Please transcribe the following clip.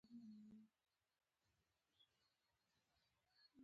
هغه له دې امله خپګان ښودلی وو.